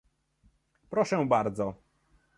Proszę bardzo